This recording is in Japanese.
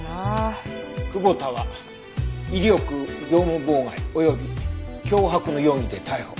久保田は威力業務妨害および脅迫の容疑で逮捕。